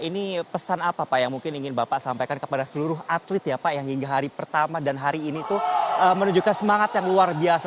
ini pesan apa pak yang mungkin ingin bapak sampaikan kepada seluruh atlet ya pak yang hingga hari pertama dan hari ini tuh menunjukkan semangat yang luar biasa